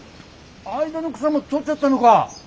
間の草も取っちゃったのか。